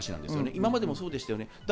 今までもそうでした。